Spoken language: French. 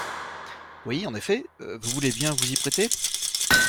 Oui, en effet. Vous voulez bien vous y prêter?